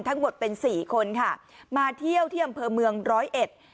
ทั้งหมดเป็นสี่คนค่ะมาเที่ยวที่อำเภอเมืองร้อยเอ็ด